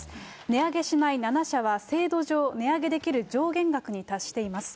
値上げしない７社は、制度上、値上げできる上限額に達しています。